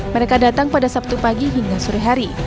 mereka datang pada sabtu pagi hingga sore hari